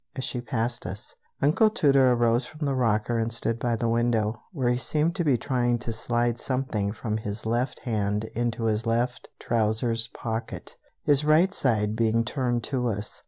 as she passed us. Uncle Tooter arose from the rocker and stood by the window, where he seemed to be trying to slide something from his left hand into his left trousers pocket, his right side being turned to us.